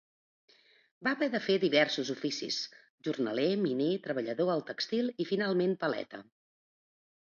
Va haver de fer diversos oficis: jornaler, miner, treballador al tèxtil i finalment paleta.